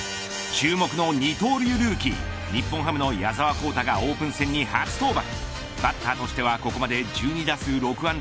注目の二刀流ルーキー日本ハムの矢澤宏太がオープン戦に初登板。